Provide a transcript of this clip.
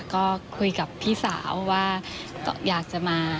ก็คุยกับพี่สาวว่าอยากจะมา